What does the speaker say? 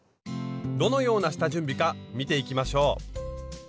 どのような下準備か見ていきましょう。